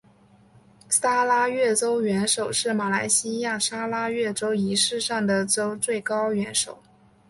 砂拉越州元首是马来西亚砂拉越州仪式上的州最高元首。